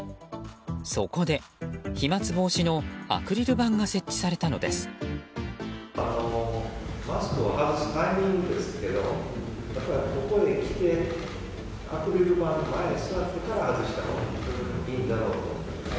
そこで、飛沫防止のアクリル板が設置されたのです。